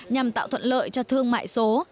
nhằm tạo thuận lợi cho thương mại số